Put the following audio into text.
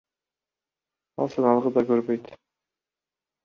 Ал сыналгы да көрбөйт.